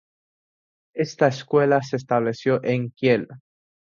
Esta escuela se estableció en Kiel.